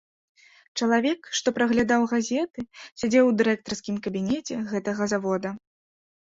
Чалавек, што праглядаў газеты, сядзеў у дырэктарскім кабінеце гэтага завода.